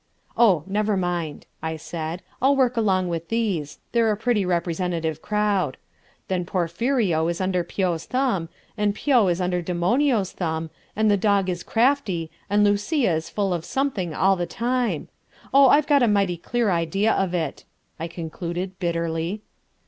"Oh, never mind," I said, "I'll work along with those, they're a pretty representative crowd. Then Porphirio is under Pio's thumb, and Pio is under Demonio's thumb, and the Dog is crafty, and Lucia is full of something all the time. Oh, I've got a mighty clear idea of it," I concluded bitterly.